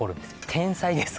天才です